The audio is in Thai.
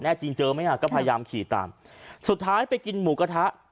จริงเจอไหมอ่ะก็พยายามขี่ตามสุดท้ายไปกินหมูกระทะ